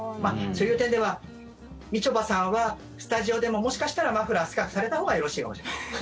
そういう点では、みちょぱさんはスタジオでも、もしかしたらマフラー、スカーフされたほうがよろしいかもしれない。